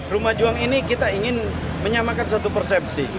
rumah juang ini kita ingin menyamakan satu persepsi